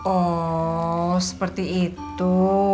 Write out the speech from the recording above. oh seperti itu